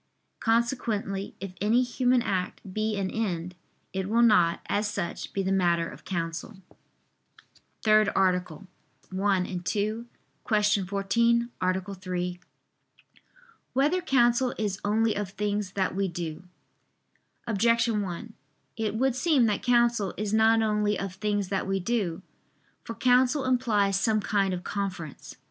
Consequently if any human act be an end, it will not, as such, be the matter of counsel. ________________________ THIRD ARTICLE [I II, Q. 14, Art. 3] Whether Counsel Is Only of Things That We Do? Objection 1: It would seem that counsel is not only of things that we do. For counsel implies some kind of conference.